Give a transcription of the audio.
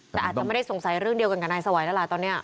แต่อาจจะไม่ได้สงสัยเรื่องเดียวกันกับนายสวัยแล้วล่ะตอนนี้